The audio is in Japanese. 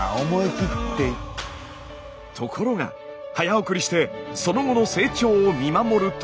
ところが早送りしてその後の成長を見守ると。